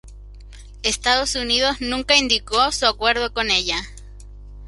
Estados Unidos nunca indicó su acuerdo con ella.